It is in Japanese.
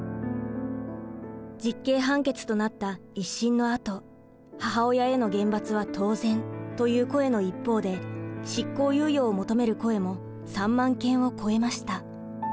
実刑判決となった一審のあと「母親への厳罰は当然」という声の一方で執行猶予を求める声も３万件を超えました。